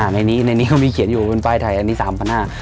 ในนี้ในนี้เขามีเขียนอยู่บนป้ายไทยอันนี้๓๕๐๐บาท